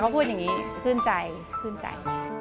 เขาพูดอย่างนี้ชื่นใจชื่นใจ